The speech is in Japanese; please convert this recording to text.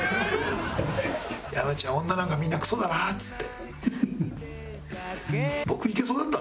「山ちゃん女なんかみんなクソだな」っつって。